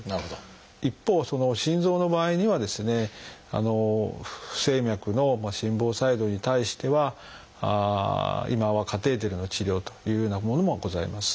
一方心臓の場合にはですね不整脈の心房細動に対しては今はカテーテルの治療というようなものもございます。